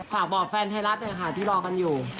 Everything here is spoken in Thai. ฝากบอกแฟนไทยรัฐหน่อยค่ะที่รอกันอยู่